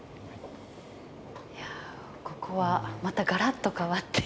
ここはまたガラッと変わって。